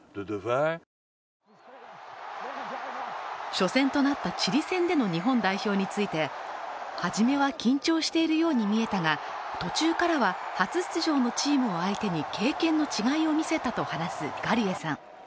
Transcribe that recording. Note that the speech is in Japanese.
初戦となったチリ戦での日本代表について、初めは緊張しているように見えたが、途中からは初出場のチームを相手に経験の違いを見せたと話すガリュエさん。